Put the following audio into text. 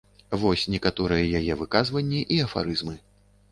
Вось некаторыя яе выказванні і афарызмы.